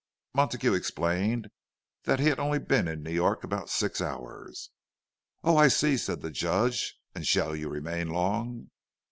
Montague explained that he had only been in New York about six hours. "Oh, I see," said the Judge. "And shall you remain long?"